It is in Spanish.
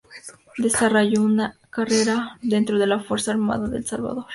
Desarrolló una larga carrera dentro de la Fuerza Armada de El Salvador.